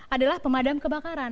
adalah pemadam kebakaran